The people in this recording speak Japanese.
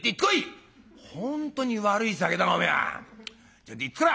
ちょいと行ってくら！」。